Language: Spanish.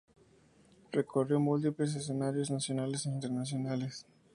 Recorrió múltiples escenarios nacionales e Internacionales.